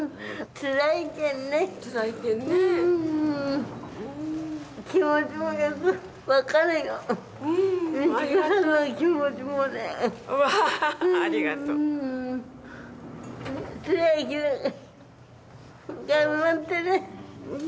つらいけど頑張ってね。